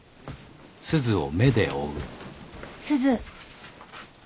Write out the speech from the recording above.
すず。